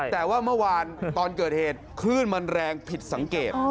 แต่ว่าเมื่อวานตอนเกิดเหตุคลื่นมันแรงผิดสังเกต